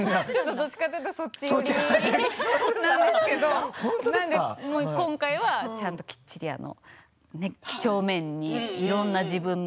どちらかというとそちら側なんですけど今回はちゃんときっちりきちょうめんに、いろんな自分の